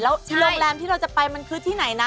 แล้วโรงแรมที่เราจะไปมันคือที่ไหนนะ